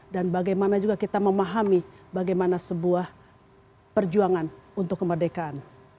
dan bagaimana juga kita memahami bagaimana sebuah perjuangan untuk kemerdekaan